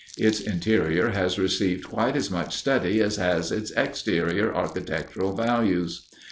Its interior has received quite as much study as has its exterior architectural values.